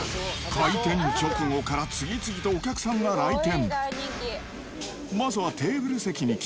開店直後から次々とお客さんが来店。